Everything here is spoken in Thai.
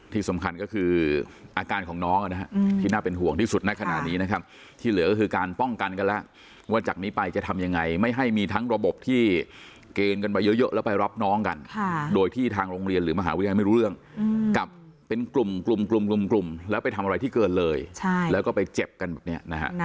ที่สำคัญก็คืออาการของน้องนะฮะที่น่าเป็นห่วงที่สุดในขณะนี้นะครับที่เหลือก็คือการป้องกันกันแล้วว่าจากนี้ไปจะทำยังไงไม่ให้มีทั้งระบบที่เกณฑ์กันมาเยอะแล้วไปรับน้องกันโดยที่ทางโรงเรียนหรือมหาวิทยาลัยไม่รู้เรื่องกลับเป็นกลุ่มกลุ่มแล้วไปทำอะไรที่เกินเลยแล้วก็ไปเจ็บกันแบบนี้นะฮะ